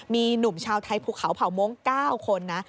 มีหนุ่มชาวไทยภูเขาเผ่าม้ง๙คนนะ